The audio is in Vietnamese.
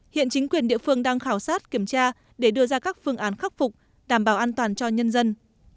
hiện chính quyền địa phương đang khảo sát kiểm tra để đưa ra các phương án khắc phục đảm bảo an toàn cho nhân dân